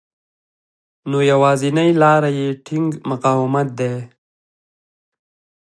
نو يوازېنۍ لاره يې ټينګ مقاومت دی.